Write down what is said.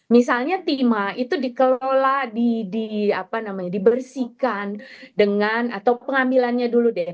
misalnya timah itu dikelola dibersihkan dengan atau pengambilannya dulu deh